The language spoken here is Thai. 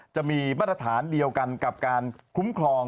จะมีมาตรฐานเดียวกันกับการคุ้มครอง